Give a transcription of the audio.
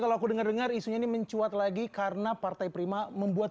kalau ada yang namanya partai prima